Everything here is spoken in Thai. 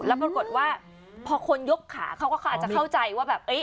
แล้วปรากฏว่าพอคนยกขาเขาก็เขาอาจจะเข้าใจว่าแบบ